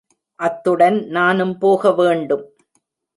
அத்துடன் நானும் போக வேண்டும்.